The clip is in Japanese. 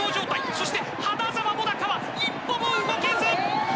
そして、花澤モナカは一歩も動けず。